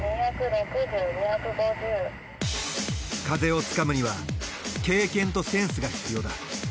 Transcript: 風をつかむには経験とセンスが必要だ。